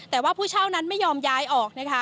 แต่ว่าผู้เช่านั้นไม่ยอมย้ายออกนะคะ